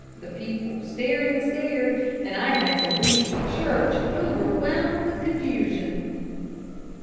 The people stared and stared, and I had to leave the church, overwhelmed with confusion."